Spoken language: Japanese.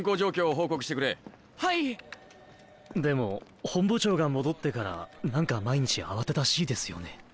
でも本部長が戻ってから何か毎日慌ただしいですよね。